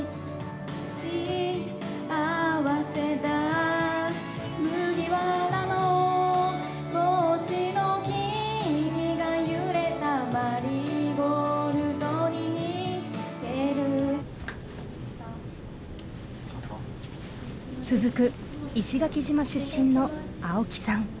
幸せだ麦わらの帽子の君が揺れたマリーゴールドに似てる続く石垣島出身の青木さん。